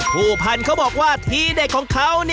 ผู้พันธุ์เขาบอกว่าทีเด็ดของเขา